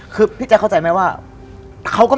คือพี่แจ๊คเข้าใจไหมว่า